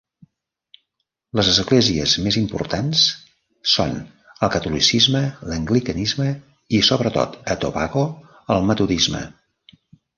Les esglésies més importants són el catolicisme l'anglicanisme i, sobretot a Tobago, el metodisme.